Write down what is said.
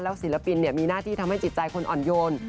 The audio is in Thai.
ศิลปินมีหน้าที่ทำให้จิตใจคนอ่อนโยน